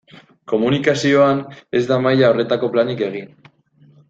Komunikazioan ez da maila horretako planik egin.